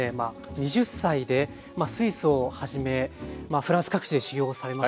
２０歳でスイスをはじめまあフランス各地で修業をされました。